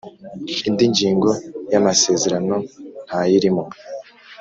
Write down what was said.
Indi ngingo y ‘amasezerano ntayirimo.